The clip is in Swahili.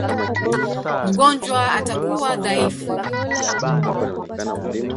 Mgonjwa atakuwa dhaifu.